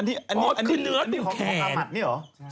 อันนี้หรออันนี้อันนี้เนื้อของแขน